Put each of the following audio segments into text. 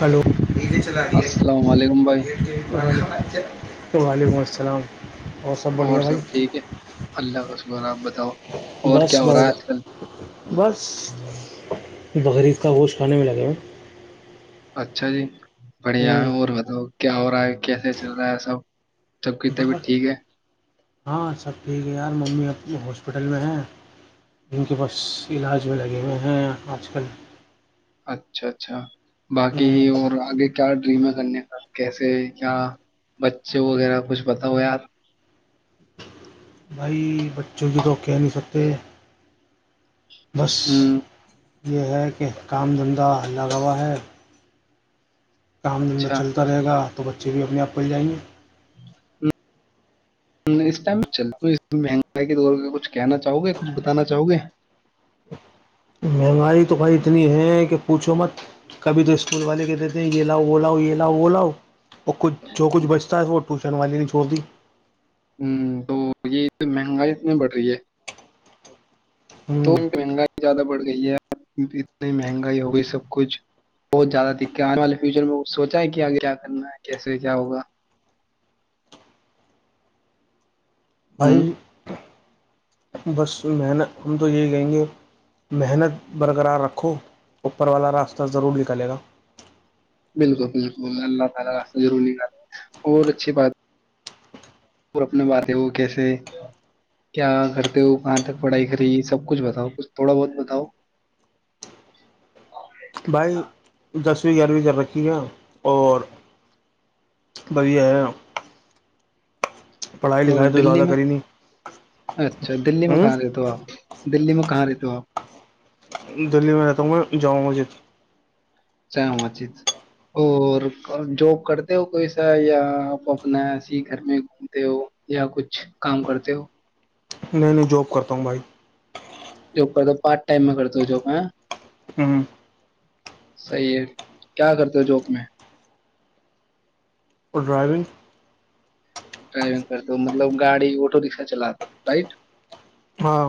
Hello نیچے چلا دیا السلام علیکم بھائی گیٹ کے وعلیکم السلام اور سب ٹھیک ہے اللہ کا شکر آپ بتاؤ اور بس کیا ہو رہا بڑے ہے گ آج کل بس بقرید کا گوشت کھانے میں لگے ہوئے اچھا جی بڑھیا اور بتؤ کیا ہو رہا ہے کیسے چل رہا ہے سب سب کی بس طبیعت ٹھیک ہے ہاں سب ٹھیک ہے یار ممی اپنے ہاسپٹل میں ہیں جن کے بس علاج میں لگے ہوئے ہیں آج کل اچھا اچھا باقی اور آگے کیا ڈریم ہے کرنے کا کیسے کیا بچے وغیرہ کچھ بتا ہوا ہے یار بھائی بچوں کی توھوکھہ نہیں ستے بس ہوں یہ ہے کہ کام دھندہ لگا ہوا ہے کام دھندہ اچھا چلتا رہے گا تو بچے بھی اپنے آپ پل جائیں گے اس ٹائم میں چلتا ہوں مہنگائی کی د کچھ کہنا چاہو گے کچھ بتانا چاہو گے مہنگائی تو بھائی اتنی ہے کہ پوچھو مت کبھی تو اسکول والے کہتے ہیں یہ لاؤ وہ لاؤ یہ لاؤ وہ لاؤ اور کچھ جو کچھ بچتا ہے وہ ٹیوشن والے چوبی ہوں تو یہ مہنگائی اتنی بڑھ رہی ہے ہوں چ مہنگائی زیادہ بڑھ گئی ہے اتنی مہنگائی ہو گئی سب کچھ بہت زیادہ دق آنے والے فیوچر میں سوچا ہے کہ آگے کیا کرنا ہے کیسے کیا ہوگا بھائی ہوں بس محنت ہم تو یہی کہیں گے محنت برقرار رکھو اوپر والا راستہ ضرور نکلے گا بالکل بالکل اللہ تعالی راستہ ضرورات ہے اور اچھی بات اور اپنے باتیں ہو کیسے کیا کرتے ہو کہاں تک پڑھائی کری سب کچھ بتاؤ کچھ تھوڑا بہت بتاؤ بھائی دسویں گیارہویں کر رکھی ہے اور بھیا ہے پڑھائی اور لکھائی تو دلی زیادہ میں کری نہیں اچھا دلی میں ہ کہاں رہ تو آپ دلی میں کہاں رہتے ہو آپ دللی میں رہتا ہوں میں جامع مسجد چ چت اور جاب کرتے ہو کوئی سا یا آپ اپنا ایے ہی گھر میں گھومتے ہو یا کچھ کام کرتے ہو نہیں نہیں جاب کرتا ہوں بھائی جو کر دو پارٹ ٹائم میں کرتا جواں ہوں ہ صحیح ہے کیا کرتے ہو جاب میں اور ڈرائیونگ ڈرائیوگ کرتے مطلب گاڑ آٹو رکشا چلات رائٹ ہاں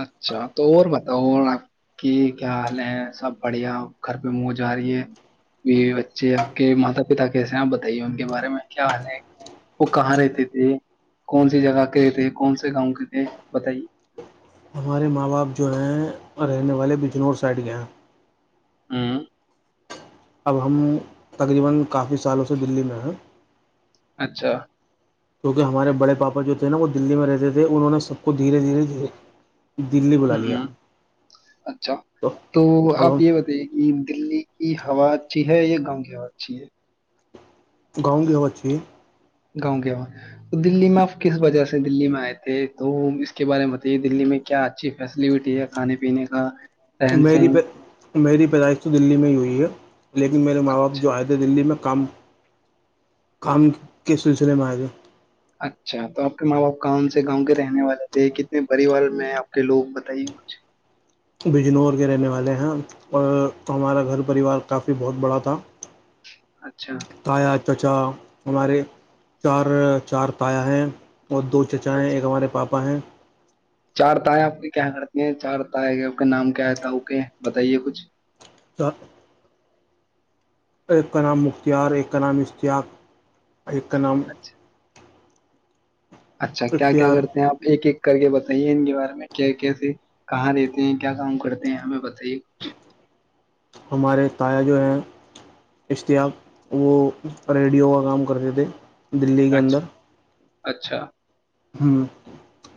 اچھا تو اور بتاؤ اور آپ کی کیا حال ہیں سب بڑھیا گھر پہ منہ جا رہی ہے یہ بچے آپ کے ماتا پتا کیسے ہیں آپ بتائیے ان کے بارے میں کیا حال ہے وہ کہاں رہتے تھے کون سی جگہ کے تھے کون سے گاؤں کے تھے بتائیے ہمارے ماں باپ جو ہیں رہنے والے بجنور سائڈ کے ہیں [inaudible] تقریبا کافی سالوں سے دلی میں اچھا کیونکہ ہمارے بڑے پاپا جو تھے نا وہ دلی میں رہتے تھے انہوں نے سب کو دھیرے دھیرے دھیرے دلی ہ بلا لیا ہ اچھا تو اب آپ ہم یہ بتائیے کہ دلی یہ ہوا اچھی ہے یا گاؤں کی ہوا اچھی ہے گاؤں گ اچ گاؤں کےاں تو دلی میں آپ کس وجہ سے دلی میں آئے تھے تو اس کے بارے میں بتائیے دللی میں کیا اچھی فیسلٹی ہے کھانے پینے کا رہن میری سہن میری پیدائش تو دلی میں ہی ہوئی ہے لیکن میرے ماں باپ اچھا جو آئے تھے دلی میں کام کام کے سلسلے میں آئے گا اچھا تو آپ کے ماں باپ کون سے گاؤں کے رہنے والے تھے کتنے پریوار میں آپ کے لوگ بتائیے مچھ بجنور کے رہنے والے ہیں اور ہمارا گھر پریوار کافی بہت بڑا تھا اچھا تایا چچا ہمارے چار چار تایا ہیں اور دو چچا ہیں ایک اچھا ہمارے پاپا ہیں چار تائیں آپ کی کیا کرتی ہیں چار ت ہے کہ آپ کا نام کیا ہےتا ا کے بتائیے کچھ [inaudible] ایک کا نام مختیار ایک کا نام اشتیاق ایک نام اچھا اچھا کیا کیا اختیار کرتے ہیں آپ ایک ایک کر کے بتائیے ان کے بارے میں کیا کیسے کہاں رہتے ہیں کیا کام کرتے ہیں ہمیں بتائیے کچھ ہمارے تایا جو ہیں اشتیاق وہ ریڈیو کا کام کرتے تھے دلی کے اندر اچھا اچھا ہاں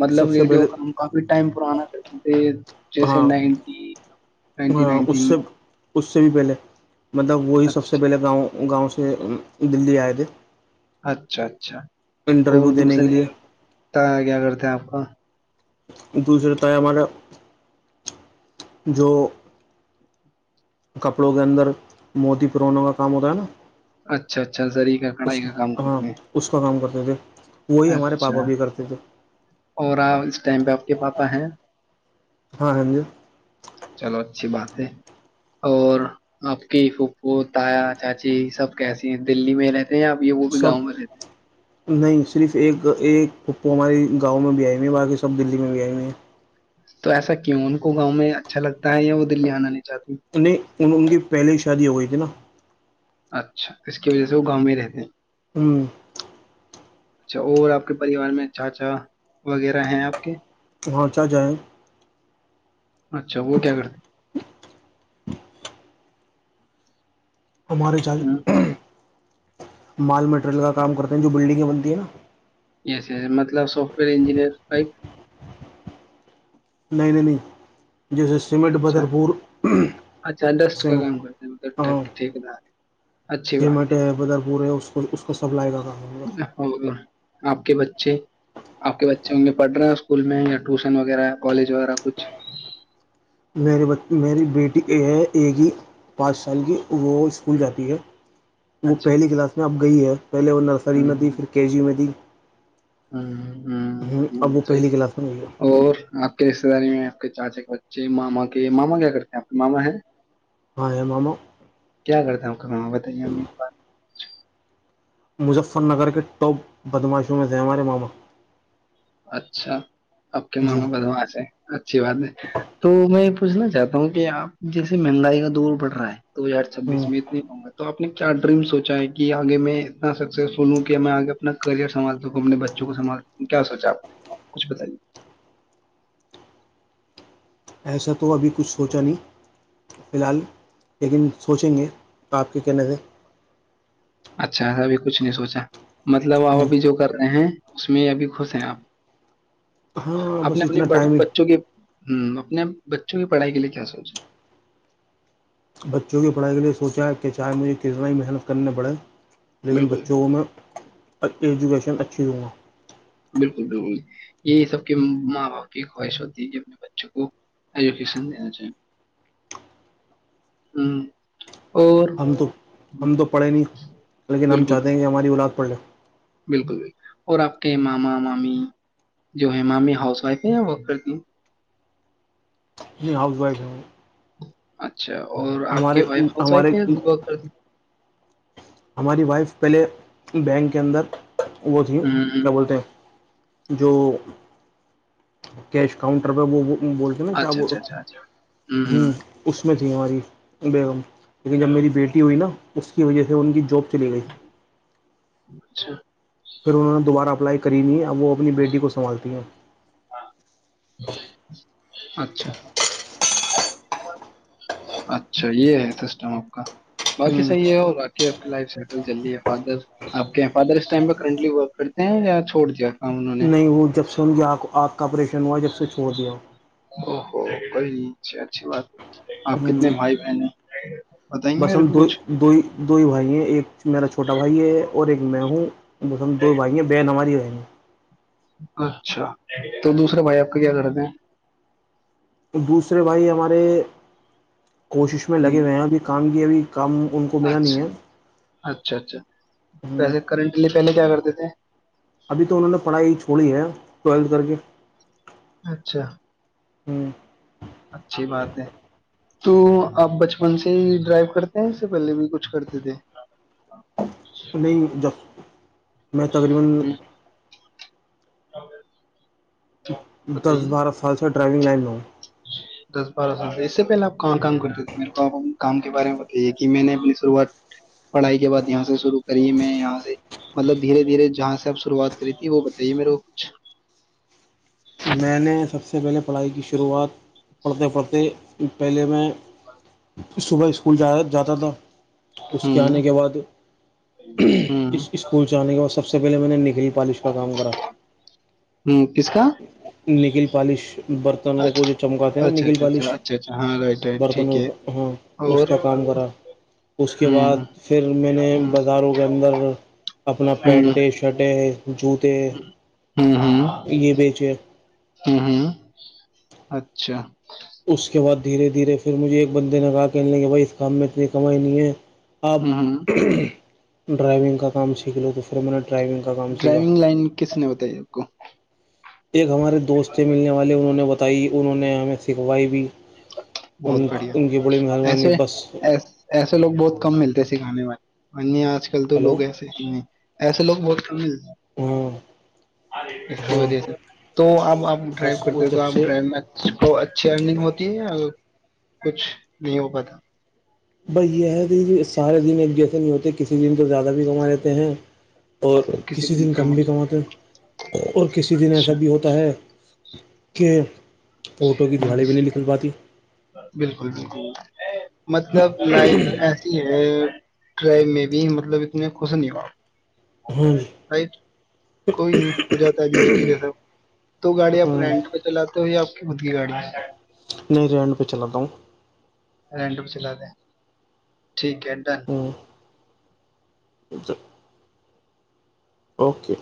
مطلب ریڈیو کا ہم کافی ٹائم پر آنا تھا ج جیسے ہاں نائنٹی نائنٹی ہاں اس نائنٹین سے میں اس سے بھی پہلے مطلب وہی سب سے پہلے گاؤں گاؤں سے دی آئے تھے اچھا اچھا اور انٹرویو دینے کے دوسرے لیے کیا کرتے ہیں آپ ہاں دوسرے تو ہے ہمارا جو کپڑوں کے اندر موتی پروونوں کا کام ہوتا ہے نا اچھا اچھا زری کا کڑھائی کا کام کرتے ہیں جے وہی ہمارے پاپا اچھا بھی کرتے تھے اور آپ اس ٹائم پہ آپ کے پاپا ہیں ہاں ہاں جی چلو اچھی بات اور آپ کی پھوپھو تایا چاچی سب کیسی ہیں دلی میں رہتے ہیں آپ یہ وہ بھی سب گاؤں میں رہتے ہیں نہیں صرف ایک ایک پپو ہماری گاؤں میں بھی آی ہوئی ہیں باقی سب دلی میں بھی آئی ہوی ہیں تو ایسا کیوں ان کو گاؤں میں اچھا لگتا ہے یا وہ دلی آنا نہیں چاہتی انیں ان کی پہلے شادی ہو گئی تھی الا اچھا اس کی وجہ سے وہ گاؤں میں رہتے ہیں ہوں اچھا اور آپ کے پریوار میں چاچا وغیرہ ہیں آپ کے وہاںچا جائیں اچھا وہ کیا کرتے ہمارے چ ہیں مال مٹیریل کا کام کرتے ہیں جو بلڈنگیں بنتی ہیں نا یس یس مطلب سافٹ وئر انجینئر بائک نہیں نہیں نہیں جیسے سیمٹ اچھا بدر پور اچھا س ڈسٹ کا کام کرتے ہیں مطلب ہاں ٹھیک- ٹھیکیدار اچھی بات سیمٹ ہے بدر پور ہے اس کو اس کو سپلائی کرا ہوگا ہے اور آپ کے بچے آپ کے بچے ہوں گے پڑھ رہے ہیں اسکول میں یا ٹیوشن وغیرہ کالج وغیرہ کچھ میرے میری بیٹی ہے ایک ہی پانچ سال کی وہ اسکول جاتی ہے وہ اچھا پہلی کلاس میں اب گئی ہے پہلے وہ نرسری میں تھی پھر کے جیو میں تھی ہ ہ ہ اب وہ سی پہلی کلاس میں گئی ہے اور آ رشتے داری میں آپ کے چاچے کے بچے ماما کے ماما کیا کرتے ہیں آپ کے ماما ہیں ہاں ہیں ماما کیا کرتا ہوں کہا بتائیں امی کی بات مجفر نگار کے ٹاپ بدماشوں میں سے ہے ہمارے ماما اچھا آپ کے جی ماما بدمعاش ہیں اچھی بات ہے تو میں پوچھنا چاہتا ہوں کہ آپ جیسے مہنگائی کا دور بڑھ رہا ہے دو ہزار ہوں چھبیس میں اتنی تو آپ نے کیا ڈریم سوچا ہے کہ آگے میں اتنا سکسیسفل ہوں کہ میں آگے اپنا کریئر سنبھال سکوں اپنے بچوں کو سنھالوں سکوں کیا سوچ کیا کچھ بتائیے ایسا تو ابھی کچھ سوچا نہیں فلحال لیکن سوچیں گے آپ کے کہنے سے اچھا ابھی کچھ نہیں سوچا مطلب اپ ہوں، ابھی جو کر پڑھتے ہیں اس میں ابھی خوش ہیں آپ ہاں بس اپنے اپنے اتنا بڑ ٹائم ہی بچوں کے ہ اپنے بچوں کی پڑھائی کے لیے کی سوچا بچوں کی پڑھائی کے لے سوچا ہے کہ چاہے مجھے کتنا ہی محنت کرنے پڑے لیکن بالکل بچوں میں اچھی ایجوکیشن اچھی دوں گا بالکل بالکل یہی سب کے ماں باپ کی خواہش ہوتی ہے کہ بچوں کو ایجوکیشن دینا چاہیے ہ ہم تو ہم تو پڑھے نہیں لیکن ہم بالکل چاہتے ہیں کہ ہماری اولاد پڑھے بالکل بالکل اور آپ کے ماما مامی جو ہے مامی ہاؤس وائف ہے یا ورک کرتی یہ ہاؤس وائف ہے اچھا اور آپ کی وائف ہاؤس وائف ہمارے ہے یا گوگل کر ہماری وائف پہلے بینک کے اندر وہ تھی ہیں؟ ہوں ہوں کیا بولتے ہیں جو کیش کاؤنٹر میں وہ وہ وہ بولتے نا کیا اچھا بول اچھا رہا اچھا اچھا ہوں ہو ہوں اس میں تھی ہماری بیگم لیکن جب میری بیٹی ہوئی نا اس کی وجہ سے ان کی جاب اچھا پھر انوں نے دوبارہ اپلائی کری نہیں اب وہ اپنی بیٹی کو سمبھالتی ہیں اچھا اچھا یہ ہے سسٹم آپ کا باقی صحیح نہیں ہے اور باقی آپ کی لائف سائیکل چل رہی ہے فادر آپ کے فادر اس ٹائم پہ کرنٹلی ورک کرتے ہیں یا چھوڑ دیا کام انہوں نے نہیں وہ جب سن آپ آپھ کپریشن جب سے چھوڑ دیا تو کئی اچھی بات آپ کتنے بھائی بہن ہیں بتائیں گے بس میرے ہم کو دو کچھ دو دو ہی بھائی ہیں ایک میرا چھوٹا بھائی ہے اور ایک میں ہوں ہم دو بھائییاں بے ہماری ہوئے ہیں [inaudible] اچھا تو دوسرے بھائی آپ کا کیا کرتے ہیں دوسرے بھائی ہمارے کوشش میں لگے ہوں ہوئے ہیں اب بھی کام یہ بھی کام ان کو ملا نہیں اچھا ہے اچھا اچھا ویسے کرنٹ لیے پہلے کیا کرتے تھے [inaudible] ابھی تو انہوں نے پڑھائی چھوڑی ہے ٹویلت کر کے اچھا ہوں اچھی بات ہے تو آپ بچپن سے ہی ڈرائیو کرتے ہیں اس سے پہلے بھی کچھ کرتے تھے نہیں جب میں تقریباً ہوں [inaudible] دس بتائیے بارہ سال سے ڈرائیوونگ لائن ہ دس بارہ سال سے اس سے پہلے آپ کہاں کام کرتے تھے میرے کو آپنے کام کے بارے میں بتائیے کہ میں نے اپنی شروعات پڑھائی کے بعد یہاں سے شروع کری میں یہاں سے مطلب دھیرے دھیرے جہاں سے آپ شروعات کری تھی وہ بتائیے میرے کو کچھ میں نے سب سے پہلے پڑھائی کی شروعات پرڑتے پرڑتے پہلے میں ج صبح اسکول جا جاتا تھا اس کے ہوں آنے کے بعد ہوں اس اسکول سے آنے کے بعد س س سے پہے میں نے نک ہوں کس کا نگل پالش برتنوں کو جو چمکاتے نا اچھا نگل اچھا پالش اچھا اچھا اچھا ہاں رائٹ رائٹ ٹھیک برتنوں ہے ہاں اس اور کا کام کرا اس کے ہوں بعد پھر میں نے ہوں بازاروں کے اندر اپنا پینٹیں شرٹیں ایک [inaudible] ھم ھم ہوں یہ بیچے ہاں [unintelligible] اچھا اس کے بعد [unintelligible] دھیرے دھیرے پھر مجھے ایک بندے نے کہا کہن لیں کہ بھائی اس کام میں اتنی کمائی نہیں ہے آپ ہوں ڈرائیونگ کا کام سیکھ ل تو پھر میں نے ڈرائیونگ کا کام سیکھا ڈرائیونگ لائن کس نے بتائی آپ کو ایک ہمارے دوستیں ملنے والے انہوں نے بتا بتائی انہوں نے ہمیں سکھوائی بھی بہت ان بڑھیا ان کی بڑی مہربانی بس وگ بہت کم ملتے سکھانے میں آج کل تو ہلو لوگ ایسے ہی ہیں ایسے لوگ بہت کم ہیں ہاں اس کی ہاں وجہ سے تو آپ آپ بس ڈرائیو وہ کرتے ہو تو جب آپ سے ڈرائی میں اچھی ارگ ہو تو کچھ نہیں ہو پ تھا ب یہ ہے کہ سارے دن ایک جیسے نہیں ہوتے کسی دن تو زیادہ بھی کما لیتے ہیں اور کسی دن کم بھی کماتے ہیں اور کسی دن ایسا اچھا بھی ہوتا ہے کہ آٹو کی دہاڑی بھی نہیں نکل پاتی بالکل بالکل مطلب لائک ایسی ہے ٹر میں بھی مطلب اتنے میں خوش نہیں ہواپ ہاں جی کوئی نہیں ہو جاتا ہے دھیرے دھیرے سب تو گاڑی آ ہاں اپناینٹ پہ چلاتے ہوئے آپ خود کیی گاڑی نہیں رن پہ چلاا ہوں ینڈک چلا د ہیں ٹھیک ہے ڈن اچھا اوکے